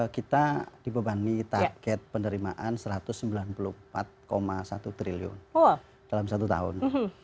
kita dibebani target penerimaan satu ratus sembilan puluh empat satu triliun dalam satu tahun